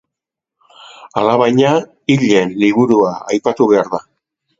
Alabaina, Hilen Liburua aipatu behar da.